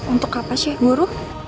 untuk apa sih guru